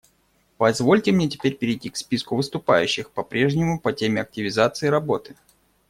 Позвольте мне теперь перейти к списку выступающих — по-прежнему по теме активизации работы.